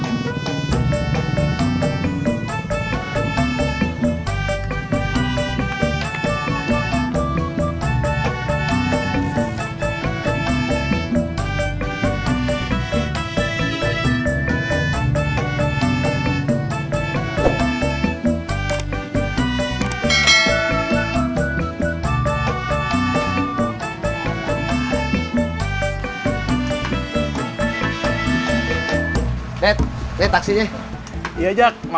udah apaan ratu sama